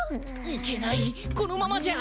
いけないこのままじゃ。